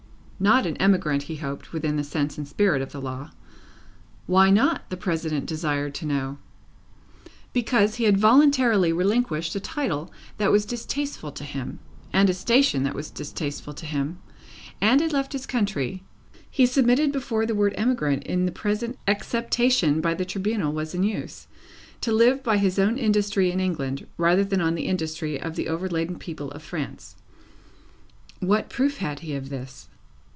Not an emigrant, he hoped, within the sense and spirit of the law. Why not? the President desired to know. Because he had voluntarily relinquished a title that was distasteful to him, and a station that was distasteful to him, and had left his country he submitted before the word emigrant in the present acceptation by the Tribunal was in use to live by his own industry in England, rather than on the industry of the overladen people of France. What proof had he of this?